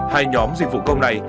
hai nhóm dịch vụ công này